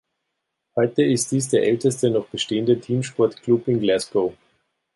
Heute ist dies der älteste noch bestehende Teamsport-Club in Glasgow.